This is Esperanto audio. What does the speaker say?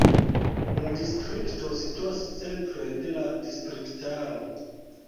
La distrikto situas centre de la distriktaro.